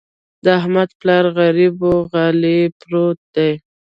د احمد پلار غريب وچې غاړې پروت دی.